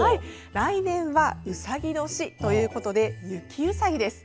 来年は、うさぎ年ということで雪ウサギです。